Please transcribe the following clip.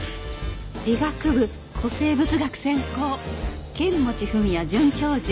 「理学部古生物学専攻剣持史也准教授」